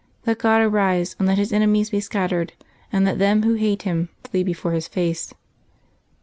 "_Let God arise and let His enemies be scattered; and let them who hate Him flee before His face.